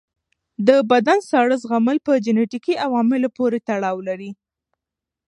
د بدن ساړه زغمل په جنیټیکي عواملو پورې تړاو لري.